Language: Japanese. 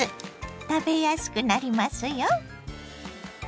食べやすくなりますよ。